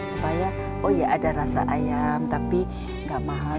supaya oh ya ada rasa ayam tapi nggak mahal